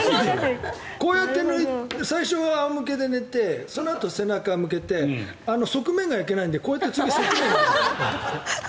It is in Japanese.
こうやって最初は仰向けで寝てそのあと、背中を向けて側面が焼けないのでこうやって次、側面を焼く。